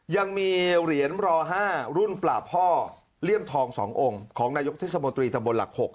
ยังมีเหรียญรอ๕รุ่นปลาพ่อเลี่ยมทอง๒องค์ของนายกเทศมนตรีตำบลหลัก๖